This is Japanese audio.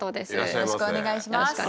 よろしくお願いします。